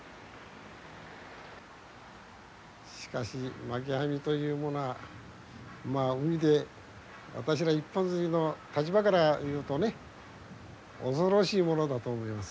しかしまき網というものはまあ海で私ら一本づりの立場から言うとね恐ろしいものだと思います。